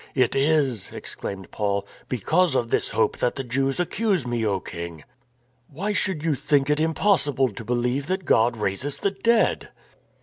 It is," exclaimed Paul, "because of this hope that the Jews accuse me, O King! Why should you think it impossible to believe that God raises the dead